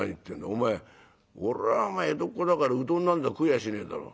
お前俺は江戸っ子だからうどんなんざ食いやしねえだろ」。